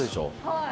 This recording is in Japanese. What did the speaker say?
はい。